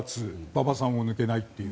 馬場さんを抜けないって。